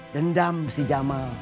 dendam si jamal ke kang bahar